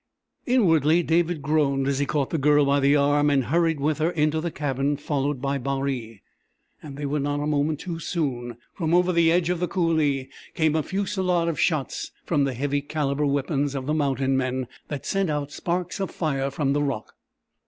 Inwardly David groaned as he caught the Girl by the arm and hurried with her into the cabin, followed by Baree. They were not a moment too soon. From over the edge of the coulée came a fusillade of shots from the heavy calibre weapons of the mountain men that sent out sparks of fire from the rock.